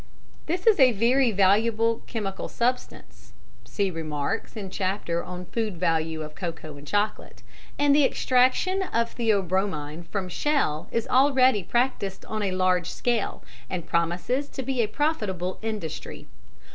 This is a very valuable chemical substance (see remarks in chapter on Food Value of Cocoa and Chocolate), and the extraction of theobromine from shell is already practised on a large scale, and promises to be a profitable industry.